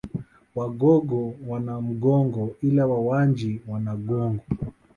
Wagogo wana Mgogo ila Wawanji wana Ngogo